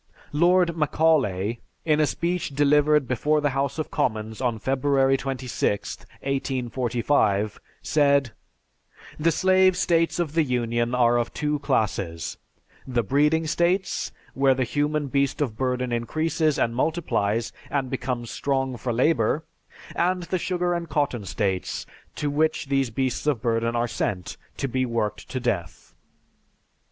Lord Macaulay, in a speech delivered before the House of Commons on February 26, 1845, said: "The slave states of the Union are of two classes, the breeding states, where the human beast of burden increases, and multiplies, and becomes strong for labor; and the sugar and cotton states to which these beasts of burden are sent to be worked to death.